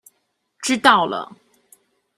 知道了